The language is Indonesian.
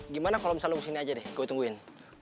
gimana kalau misalnya lo kesini aja deh gue tungguin